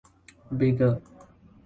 Bigger.